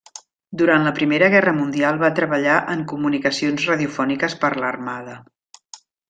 Durant la Primera Guerra Mundial va treballar en comunicacions radiofòniques per l'armada.